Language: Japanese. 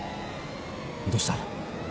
どうした？